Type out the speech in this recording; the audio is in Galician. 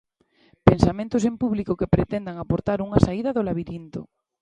Pensamentos en público que pretendan aportar unha saída do labirinto.